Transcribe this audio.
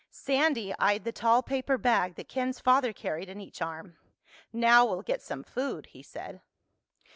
Sandy eyed the tall paper bag that Ken's father carried in each arm. "Now we'll get some food," he said.